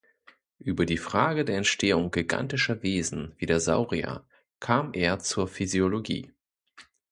Über die Frage der Entstehung gigantischer Wesen, wie der Saurier, kam er zur Physiologie.